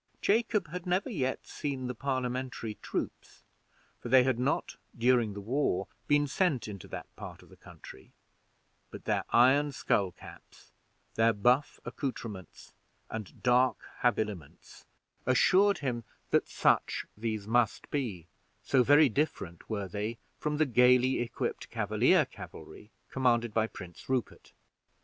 Jacob had never yet seen the Parliamentary troops, for they had not during the war been sent into that part of the country, but their iron skull caps, their buff accouterments, and dark habiliments assured him that such these must be; so very different were they from the gayly equipped Cavalier cavalry commanded by Prince Rupert.